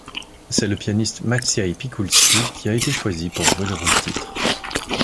C'est le pianiste Maciej Pikulski qui a été choisi pour jouer le rôle-titre.